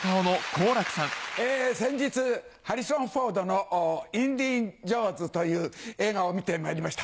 先日ハリソン・フォードの『インディ・ジョーンズ』という映画を見てまいりました。